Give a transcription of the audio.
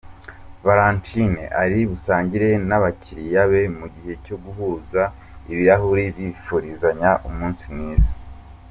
Valentin ari busangire n’abakiriya be mu gihe cyo guhuza ibirahure bifurizanya umunsi mwiza.